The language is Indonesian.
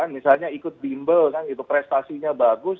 misalnya ikut bimbel kan gitu prestasinya bagus